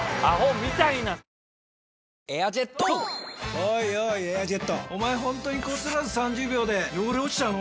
おいおい「エアジェット」おまえホントにこすらず３０秒で汚れ落ちちゃうの？